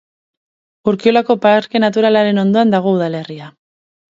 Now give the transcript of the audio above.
Urkiolako Parke Naturalaren ondoan dago udalerria.